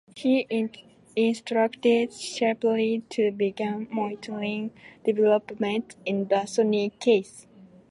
He instructed Shapiro to begin monitoring developments in the "Sony" case.